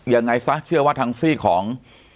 ยังไงซะเชื่อว่าทางซี่ของ